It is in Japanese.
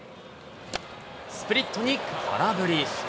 スプリットに空振り。